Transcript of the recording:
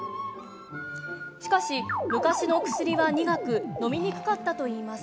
しかし、昔の薬は苦くのみにくかったといいます。